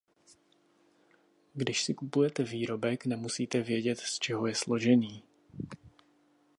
Když si kupujete výrobek, nemusíte vědět, z čeho je složený.